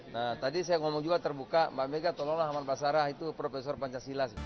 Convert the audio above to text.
nah tadi saya ngomong juga terbuka mbak mega tolonglah saman pasarah itu profesor pancasila sih